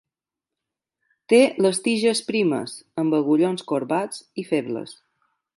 Té les tiges primes, amb agullons corbats i febles.